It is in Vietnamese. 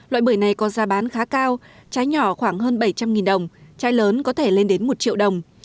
loại bưởi này có giá bán khá cao trái nhỏ khoảng hơn bảy trăm linh đồng cháy lớn có thể lên đến một triệu đồng